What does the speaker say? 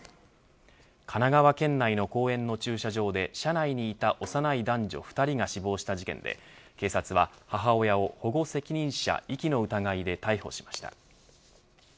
神奈川県内の公園の駐車場で車内にいた幼い男女２人が死亡した事件で警察は母親を保護責任者遺棄の疑いで逮捕しました。